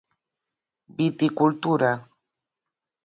Viticultura.